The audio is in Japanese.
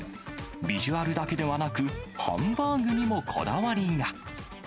ビジュアルだけでなく、ハンバーグにもこだわりが。